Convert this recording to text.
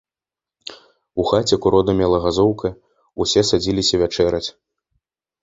У хаце куродымела газоўка, усе садзіліся вячэраць.